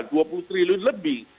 rp dua puluh triliun lebih